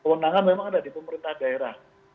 kewenangan memang ada di pemerintah daerah